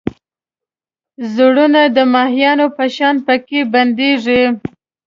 زړونه د ماهیانو په شان پکې بندېږي.